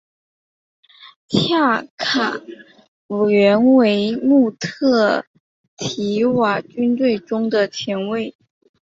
恰卡原为穆特提瓦军队中的前卫。